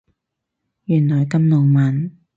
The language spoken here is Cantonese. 原來咁浪漫